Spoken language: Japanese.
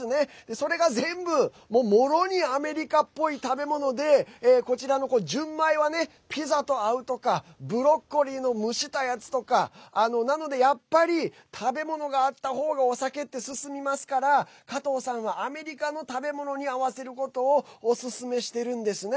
それが全部もろにアメリカっぽい食べ物でこちらのＪＵＮＭＡＩはピザと合うとかブロッコリーの蒸したやつとかなので、やっぱり食べ物があった方がお酒って進みますから加藤さんはアメリカの食べ物に合わせることをおすすめしているんですね。